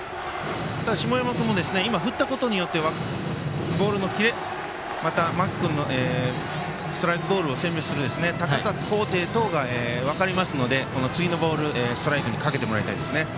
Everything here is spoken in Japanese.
下山君も今、振ったことによってボールのキレ、また間木君のストライク、ボールを選別する高さ、高低等が分かりますのでこの次のボール、ストライクにかけてもらいたいですね。